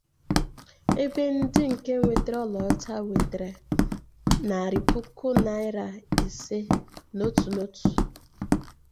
ebe ndị nke ritere ọlaọcha nwètàrà narị puku naịra ise n'ótù n'ótù